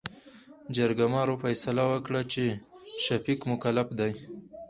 جرګمارو فيصله وکړه چې، شفيق مکلف دى.